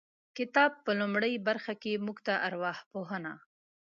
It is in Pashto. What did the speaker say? کتاب په لومړۍ برخه کې موږ ته ارواپوهنه